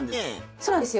そうなんですよ。